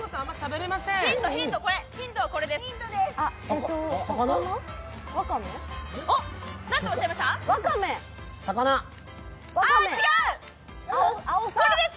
ヒントはこれ、これです。